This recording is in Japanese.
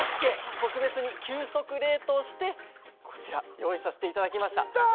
特別に急速冷凍してこちら用意させて頂きました。来た。